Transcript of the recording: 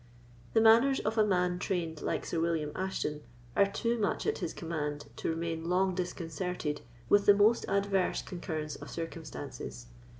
The manners of a man trained like Sir William Ashton are too much at his command to remain long disconcerted with the most adverse concurrence of circumstances.